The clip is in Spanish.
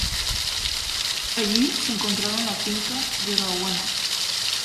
Allí se encuentra la finca Yerbabuena.